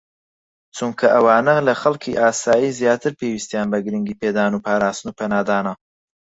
چونکە ئەوانە لە خەڵکی ئاسایی زیاتر پێویستیان بە گرنگیپێدان و پاراستن و پەنادانە